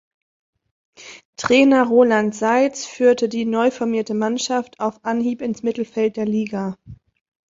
Trainer Roland Seitz führte die neuformierte Mannschaft auf Anhieb ins Mittelfeld der Liga.